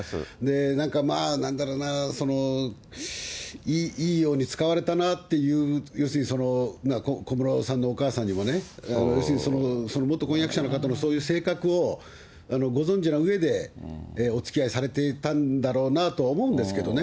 なんか、なんだろうなぁ、いいように使われたなっていう、要するに小室さんのお母さんにもね、要するに、元婚約者の方のそういう性格をご存じのうえで、おつきあいされてたんだろうなとは思うんですけどね。